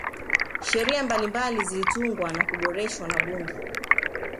sheria mbalimbali zilitungwa na kuboreshwa na bunge